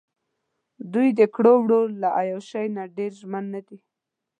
دوۍ دکړو وړو له عیاشۍ نه ډېر ژمن نه دي.